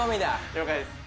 了解です